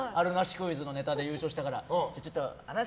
クイズのネタで優勝したからあるなし